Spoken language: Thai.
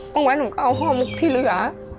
เมื่อวานหนูก็เอาห้อมุกที่เหลือ